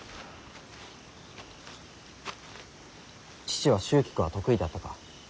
父は蹴鞠は得意だったか。